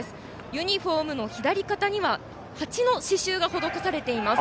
ユニフォームの左肩にははちの刺しゅうが施されています。